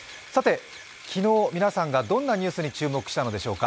昨日、皆さんがどんなニュースに注目したのでしょうか。